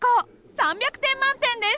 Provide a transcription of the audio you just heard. ３００点満点です。